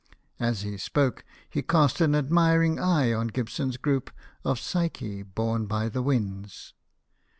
As he spoke, he cast an adm; ring eye on Gibson's group of Psyche borne by the Winds.